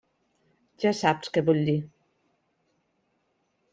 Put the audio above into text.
Ja saps què vull dir.